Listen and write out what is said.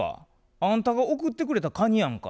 あんたが送ってくれたカニやんか」。